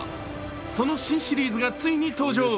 その新シリーズがついに登場。